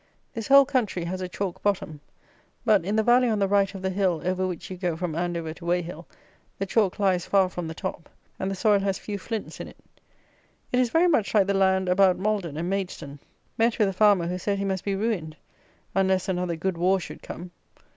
This whole country has a chalk bottom; but, in the valley on the right of the hill over which you go from Andover to Weyhill, the chalk lies far from the top, and the soil has few flints in it. It is very much like the land about Malden and Maidstone. Met with a farmer who said he must be ruined, unless another "good war" should come!